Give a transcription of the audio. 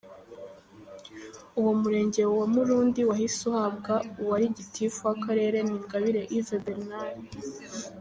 Uwo murenge wa Murundi wahise uhabwa uwari Gitifu w’Akarere Ningabire Yves Bernard.